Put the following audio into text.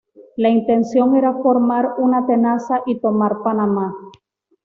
La intención era formar una tenaza y tomar Panamá.